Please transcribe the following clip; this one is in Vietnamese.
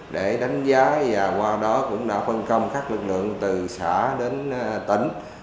để đánh giá và qua đó cũng đã phân công các lực lượng từ xã đến tỉnh